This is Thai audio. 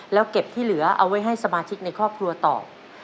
แล้วเก็บที่เหลือเอาไว้ให้สมาชิกในครอบครัวตอบ